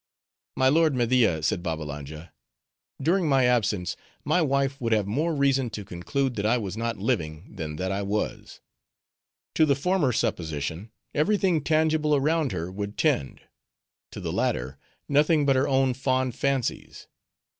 "My lord Media," said Babbalanja, "During my absence, my wife would have more reason to conclude that I was not living, than that I was. To the former supposition, every thing tangible around her would tend; to the latter, nothing but her own fond fancies.